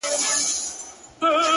ستا د خــولې خـبري يــې زده كړيدي ـ